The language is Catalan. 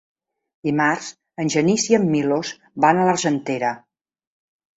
Dimarts en Genís i en Milos van a l'Argentera.